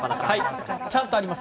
ちゃんとあります。